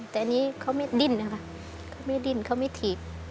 แต่อันนี้เขาไม่ดิ้นนะคะเขาไม่ดิ้นเขาไม่ถีบ